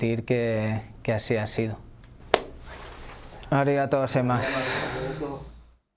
ありがとうございます。